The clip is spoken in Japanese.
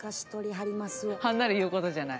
はんなり言うことじゃない。